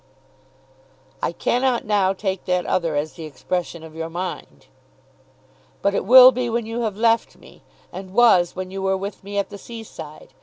"I cannot now take that other as the expression of your mind." "But it will be when you have left me; and was when you were with me at the sea side.